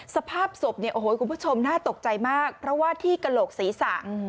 สภาพศพคุณผู้ชมน่าตกใจมากเพราะว่าที่กระโหลกศรีษะ